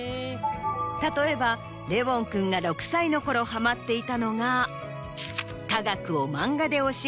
例えばレウォン君が６歳の頃ハマっていたのが。